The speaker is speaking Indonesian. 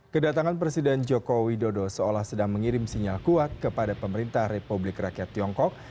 kedatangan presiden joko widodo seolah sedang mengirim sinyal kuat kepada pemerintah republik rakyat tiongkok